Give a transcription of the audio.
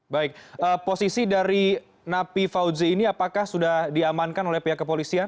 baik posisi dari napi fauzi ini apakah sudah diamankan oleh pihak kepolisian